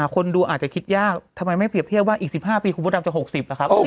คนดูอาจจะคิดยากทำไมไม่เปรียบเทียบว่าอีก๑๕ปีคุณพระดำจะ๖๐ล่ะครับ